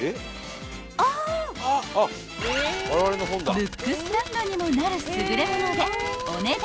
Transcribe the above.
［ブックスタンドにもなる優れものでお値段］